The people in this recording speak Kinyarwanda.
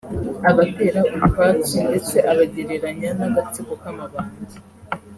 abatera utwatsi ndetse abagereranya n’agatsiko k’amabandi